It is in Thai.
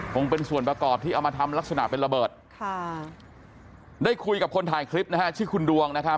คงเป็นส่วนประกอบที่เอามาทำลักษณะเป็นระเบิดค่ะได้คุยกับคนถ่ายคลิปนะฮะชื่อคุณดวงนะครับ